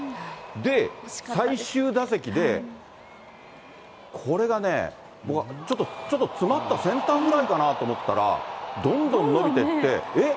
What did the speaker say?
で、最終打席で、これがね、僕はちょっと詰まったセンターフライかなと思ったら、どんどん伸びてって、えっ？